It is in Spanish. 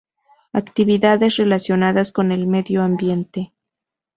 Actividades relacionadas con el medio ambiente.